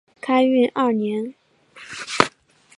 开运二年。